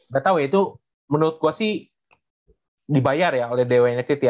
gak tau ya itu menurut gue sih dibayar ya oleh dewa united ya